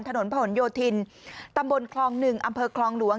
ถนนผนโยธินตำบลคลอง๑อำเภอคลองหลวง